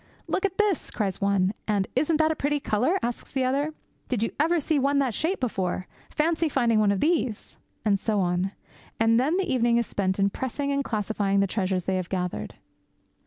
'Look at this!' cries one; and 'Isn't that a pretty colour?' asks the other. 'Did you ever see one that shape before?' 'Fancy finding one of these!' And so on. And then the evening is spent in pressing and classifying the treasures they have gathered.